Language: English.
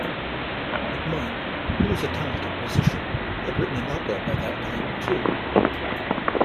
McMein, who was a talented musician, had written an opera by that time, too.